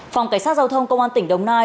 phòng cảnh sát giao thông công an tỉnh đồng nai